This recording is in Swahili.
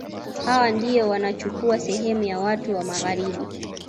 Hawa ndio wanachukua sehemu ya watu wa Magharibi